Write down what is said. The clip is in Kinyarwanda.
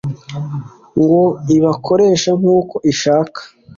ngo ibakoreshe nk'uko ishaka